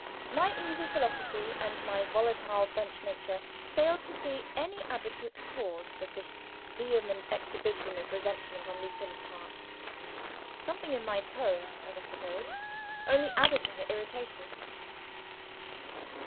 My easy philosophy and my volatile French nature, failed to see any adequate cause for this vehement exhibition of resentment on Lucilla's part. Something in my tone, as I suppose, only added to her irritation.